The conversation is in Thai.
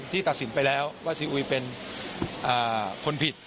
ตัดสินไปแล้วว่าซีอุยเป็นคนผิด